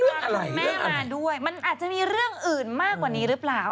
คุณแม่มาด้วยมันอาจจะมีเรื่องอื่นมากกว่านี้หรือเปล่า